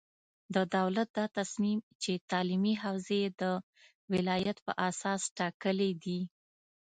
د دولت دا تصمیم چې تعلیمي حوزې یې د ولایت په اساس ټاکلې دي،